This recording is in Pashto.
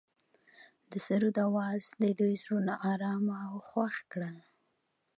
د سرود اواز د دوی زړونه ارامه او خوښ کړل.